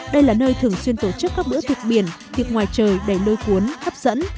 đây là nơi thường xuyên tổ chức các bữa tiệc biển tiệc ngoài trời đầy nơi cuốn hấp dẫn